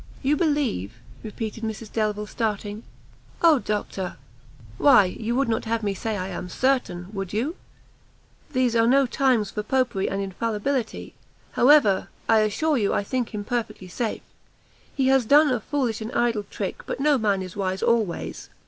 "You believe!" repeated Mrs Delvile, starting; "Oh doctor!" "Why you would not have me say I am certain, would you? these are no times for Popery and infallibility; however, I assure you I think him perfectly safe. He has done a foolish and idle trick, but no man is wise always.